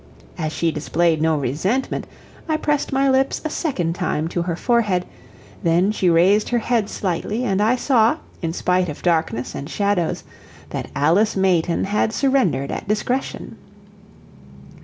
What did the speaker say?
As she displayed no resentment, I pressed my lips a second time to her forehead, then she raised her head slightly, and I saw, in spite of darkness and shadows, that Alice Mayton had surrendered at discretion.